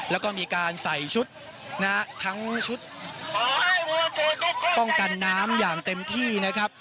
แล้วก็มีการใส่ชุดนะฮะทั้งชุดป้องกันน้ำอย่างเต็มที่นะครับ